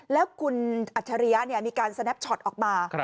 แล้วคุณอัจฉริยะมีการสแนปช็อตออกมา